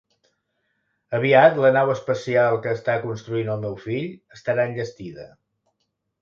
Aviat la nau espacial que està construint el meu fill estarà enllestida.